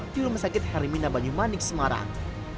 di rumah sakit hermina banyumanik semarang